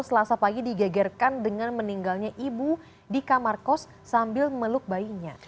selasa pagi digegerkan dengan meninggalnya ibu di kamarkos sambil meluk bayinya